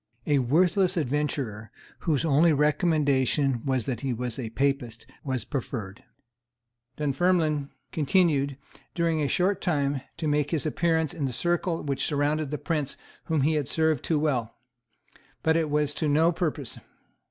A worthless adventurer, whose only recommendation was that he was a Papist, was preferred. Dunfermline continued, during a short time, to make his appearance in the circle which surrounded the Prince whom he had served too well; but it was to no purpose.